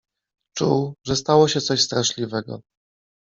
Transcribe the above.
Czuł, że stało się coś straszliwego.